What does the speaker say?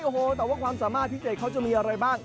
โอ้โหแต่ว่าความสามารถพิเศษเขาจะมีอะไรบ้าง